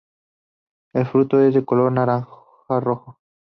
El fruto es de color naranja-rojo.